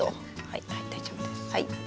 はい大丈夫です。